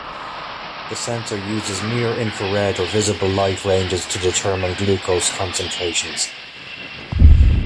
The sensor uses near-infrared or visible light ranges to determine glucose concentrations.